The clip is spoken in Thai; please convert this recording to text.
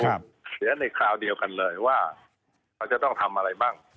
เขียนในคราวเดียวกันเลยว่าเขาจะต้องทำอะไรบ้าง